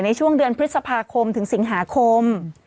ในช่วงเดือนพฤษภาคมถึงสิงหาคม